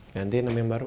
gantiin nama yang baru